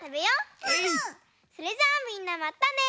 それじゃあみんなまたね！